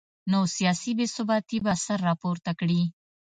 نو سیاسي بې ثباتي به سر راپورته کړي